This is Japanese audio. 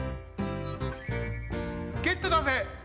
ゲットだぜ！